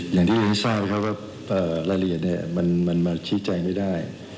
อย่างที่ท่านทราบครับรายละเอียดมันมาชี้ใจไม่ได้